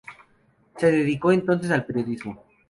Se dedicó entonces al periodismo.